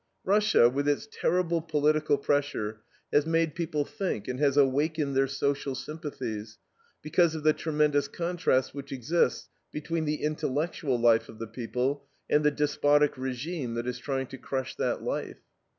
Russia, with its terrible political pressure, has made people think and has awakened their social sympathies, because of the tremendous contrast which exists between the intellectual life of the people and the despotic regime that is trying to crush that life.